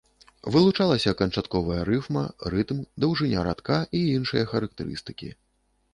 Вылучалася канчатковая рыфма, рытм, даўжыня радка і іншыя характарыстыкі.